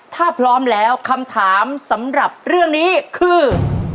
ถ้าพร้อมแล้วคำถามสำหรับเรื่องนี้คือ